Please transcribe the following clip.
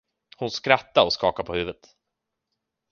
Hon skrattade och skakade på huvudet.